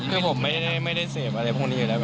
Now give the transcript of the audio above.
คือผมไม่ได้เสพอะไรพวกนี้อยู่แล้ว